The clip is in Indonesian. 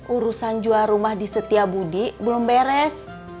urusan jual rumah di setia budi belum beres